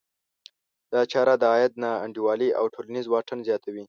دا چاره د عاید نا انډولي او ټولنیز واټن زیاتوي.